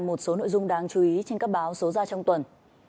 một số nội dung đáng chú ý trên các báo số ra trong tuần